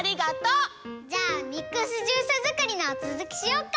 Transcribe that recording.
じゃあミックスジュースづくりのつづきしよっか。